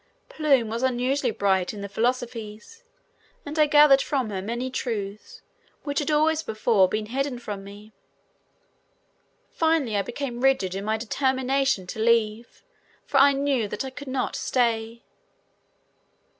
Plume was unusually bright in the philosophies, and I gathered from her many truths which had always before been hidden to me. Finally I became rigid in my determination to leave, for I knew that I could not stay.